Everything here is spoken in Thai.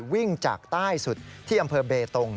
วิ่งจากใต้สุดที่อำเภอเบตง